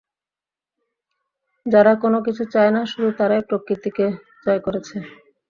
যারা কোন কিছু চায় না, শুধু তারাই প্রকৃতিকে জয় করছে।